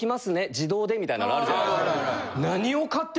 自動でみたいなのがあるじゃないですか。